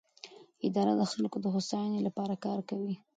اداره د خلکو د هوساینې لپاره کار کوي.